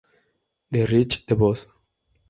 De Rich de Vos.